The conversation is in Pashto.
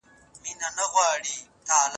ولي ځيني هیوادونه بحران نه مني؟